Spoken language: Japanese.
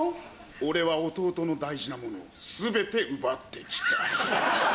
俺は弟の大事なものを全て奪って来た。